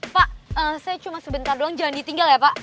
pak saya cuma sebentar doang jangan ditinggal ya pak